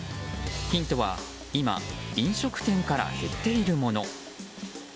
ヒントは今飲食店から減っているもの。